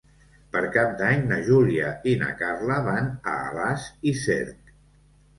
Per Cap d'Any na Júlia i na Carla van a Alàs i Cerc.